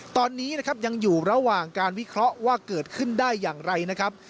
ตอนนี้นะครับยังอยู่ระหว่างการวิเคราะห์ว่าเกิดขึ้นได้อย่างไรนะครับ